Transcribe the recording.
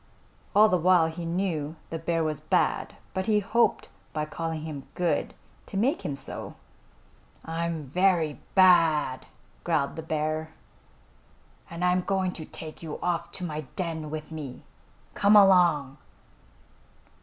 All the while he knew the bear was bad, but he hoped by calling him good, to make him so. "I'm very bad!" growled the bear, "and I'm going to take you off to my den with me. Come along!"